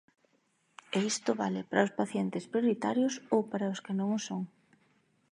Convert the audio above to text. E isto vale para os pacientes prioritarios ou para os que non o son.